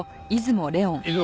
出雲！